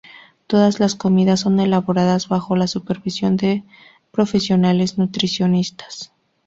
Todas las comidas son elaboradas bajo la supervisión de profesionales nutricionistas.